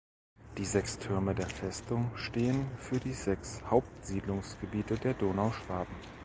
Die sechs Türme der Festung stehen für die sechs Hauptsiedlungsgebiete der Donauschwaben.